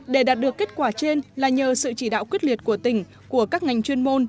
để đạt được kết quả trên là nhờ sự chỉ đạo quyết liệt của tỉnh của các ngành chuyên môn